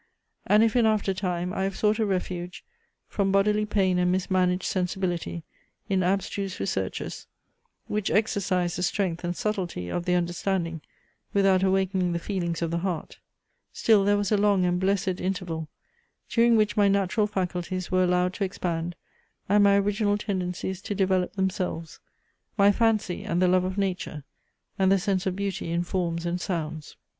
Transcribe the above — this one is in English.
And if in after time I have sought a refuge from bodily pain and mismanaged sensibility in abstruse researches, which exercised the strength and subtilty of the understanding without awakening the feelings of the heart; still there was a long and blessed interval, during which my natural faculties were allowed to expand, and my original tendencies to develop themselves; my fancy, and the love of nature, and the sense of beauty in forms and sounds.